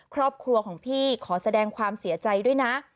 ครอบครัวของพี่ขอแสดงความเสียใจด้วยนะ